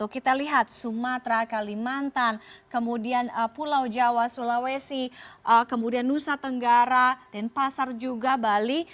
kita lihat sumatera kalimantan kemudian pulau jawa sulawesi kemudian nusa tenggara dan pasar juga bali